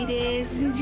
無事、